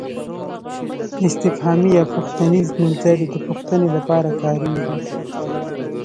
استفهامي یا پوښتنیز نومځري د پوښتنې لپاره کاریږي.